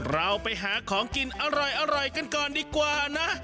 เราไปหาของกินอร่อยกันก่อนดีกว่านะ